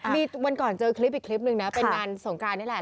มีวันก่อนเจอคลิปอีกคลิปนึงนะเป็นงานสงกรานนี่แหละ